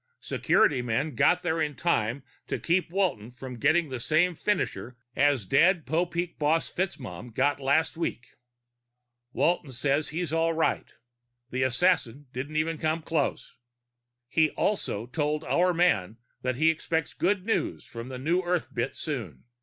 Security men got there in time to keep Walton from getting the same finisher as dead Popeek boss FitzMaugham got last week._ _Walton says he's all right; the assassin didn't even come close. He also told our man that he expects good news on the New Earth bit soon.